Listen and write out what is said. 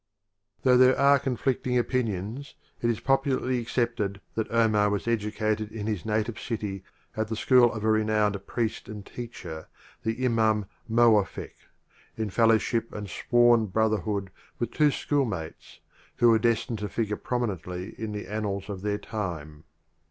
Though there are conflicling opinions, it is popularly accepted that Omar was edu cated in his native city at the school of a The renowned priest and teacher ; the Imam Preface Mowaffak, in fellowship and sworn blood brotherhood with two schoolmates who were destined to figure prominently in the annals of their time.